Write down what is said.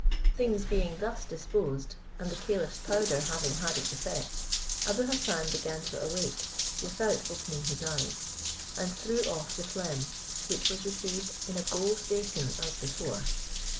Things being thus disposed, and the caliph's powder having had its effect, Abou Hassan began to awake without opening his eyes, and threw off the phlegm, which was received in a gold basin as before.